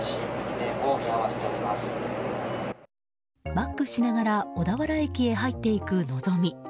バックしながら小田原駅へ入っていく「のぞみ」。